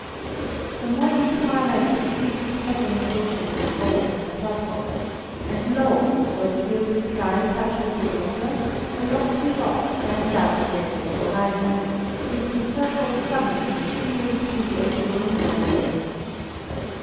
The morning twilight suffuses heaven and ocean with gold and purple, and, lo! where the gilded sky touches the water, a lofty rock stands out against the horizon, its bepurpled summits shimmering through the azure morning mists.